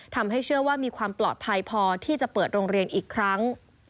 เชื่อว่ามีความปลอดภัยพอที่จะเปิดโรงเรียนอีกครั้ง